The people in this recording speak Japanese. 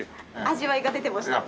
味わいが出てました。